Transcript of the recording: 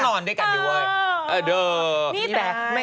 นอนด้วยกัน